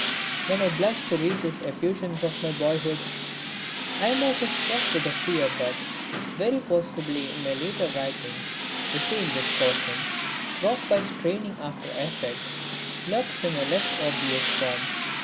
When I blush to read these effusions of my boyhood I am also struck with the fear that very possibly in my later writings the same distortion, wrought by straining after effect, lurks in a less obvious form.